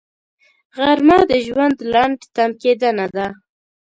غرمه د ژوند لنډ تم کېدنه ده